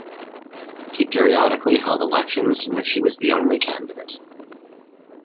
He periodically held elections in which he was the only candidate.